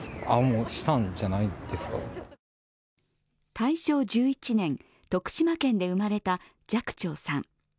大正１１年、徳島県で生まれた寂聴さん。